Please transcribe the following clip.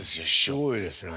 すごいですね。